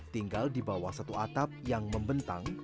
tinggal di bawah satu atap yang membentang